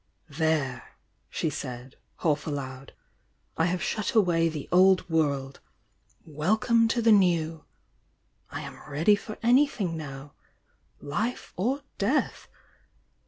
"There!" she said half aloud— "I have shut away the old world !— welcome to the new ! I'm ready for anything now— life or death!